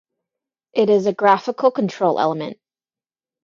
It is a graphical control element.